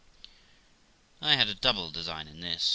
I had a double design in this, viz.